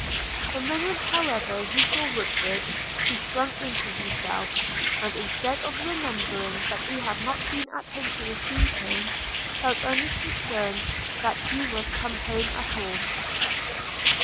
The moment, however, he saw Woodford, he shrunk into himself; and, instead of remembering that he had not been at home to receive him, felt only concern that he was come home at all.